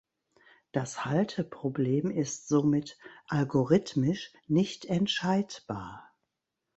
Das Halteproblem ist somit algorithmisch "nicht entscheidbar".